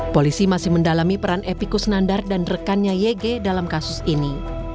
polisi masih mendalami peran epi kusnandar dan rekannya yg dalam kasus ini